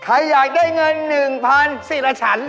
ใครอยากได้เงินหนึ่งพันสิละฉัน